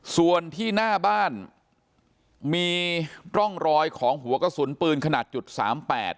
ส่วนที่หน้าบ้านมีร่องรอยของหัวกระสุนปืนขนาดจุดสามแปด